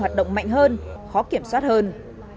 hoạt động mạnh hơn khó kiểm soát hơn